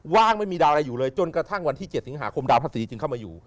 ว่างไม่มีดาวอะไรอยู่เลยจนกระทั่งวันที่๗สิงหาคมดาวพระศรีจึงเข้ามาอยู่